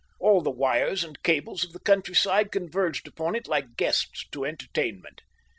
All the wires and cables of the countryside converged upon it like guests to entertainment.